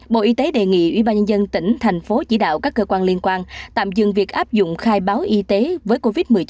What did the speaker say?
bộ y tế đề nghị ubnd tỉnh thành phố chỉ đạo các cơ quan liên quan tạm dừng việc áp dụng khai báo y tế với covid một mươi chín